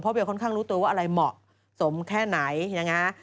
เพราะเบลล์ค่อนข้างรู้ตัวว่าอะไรเหมาะสมแค่ไหนอย่างนั้น